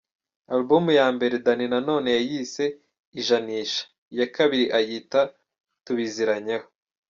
Album ya mbere Danny Nanone yayise ’Ijanisha’, iya kabiri ayita ’Tubiziranyeho’.